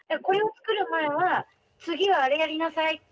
これを作る前は次はあれやりなさい